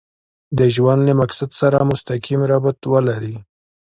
د ژوند له مقصد سره مسقيم ربط ولري.